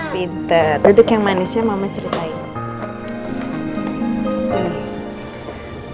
vita duduk yang manisnya mama ceritain